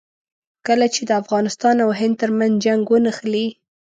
کله چې د افغانستان او هند ترمنځ جنګ ونښلي.